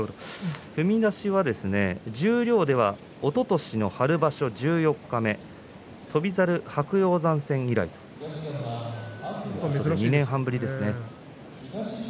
踏み出しは十両ではおととしの春場所、十四日目翔猿、白鷹山戦以来２年半ぶりですね。